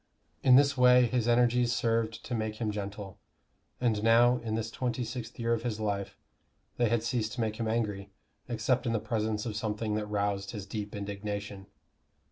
In this way his energies served to make him gentle; and now, in this twenty sixth year of his life, they had ceased to make him angry, except in the presence of something that roused his deep indignation.